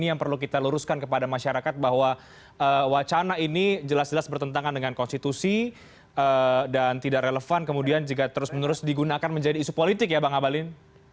ini yang perlu kita luruskan kepada masyarakat bahwa wacana ini jelas jelas bertentangan dengan konstitusi dan tidak relevan kemudian jika terus menerus digunakan menjadi isu politik ya bang abalin